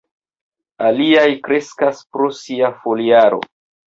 Aliaj kreskas pro sia foliaro.